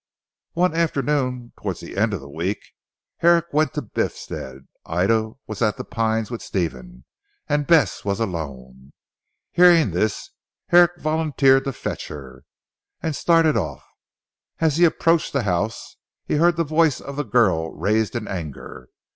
One afternoon towards the end of the week Herrick went to Biffstead. Ida was at "The Pines" with Stephen, and Bess was alone. Hearing this, Herrick volunteered to fetch her, and started off. As he approached the house he heard the voice of the girl raised in anger.